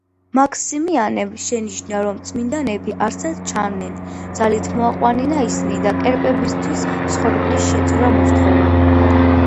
მაქსიმიანემ შენიშნა, რომ წმიდანები არსად ჩანდნენ, ძალით მოაყვანინა ისინი და კერპებისთვის მსხვერპლის შეწირვა მოსთხოვა.